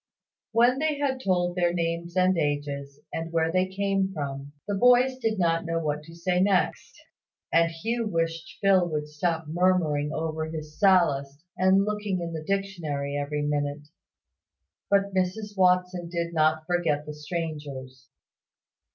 When they had told their names and ages, and where they came from, the boys did not know what to say next; and Hugh wished Phil would stop murmuring over his Sallust and looking in the dictionary every minute; but Mrs Watson did not forget the strangers.